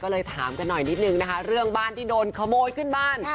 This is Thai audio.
เลยถามแต่หน่อยนิดนึงเรื่องบ้านที่โดนขโมยคืนบ้าน